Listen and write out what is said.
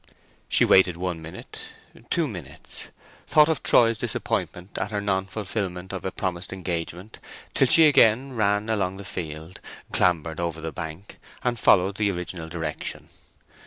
She waited one minute—two minutes—thought of Troy's disappointment at her non fulfilment of a promised engagement, till she again ran along the field, clambered over the bank, and followed the original direction.